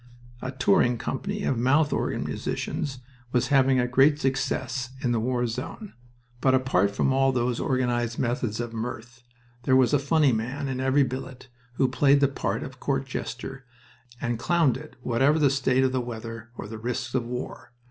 A touring company of mouth organ musicians was having a great success in the war zone. But, apart from all those organized methods of mirth, there was a funny man in every billet who played the part of court jester, and clowned it whatever the state of the weather or the risks of war.